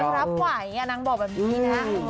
รับไหวนางบอกแบบนี้นะ